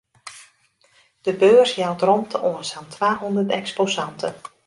De beurs jout romte oan sa'n twahûndert eksposanten.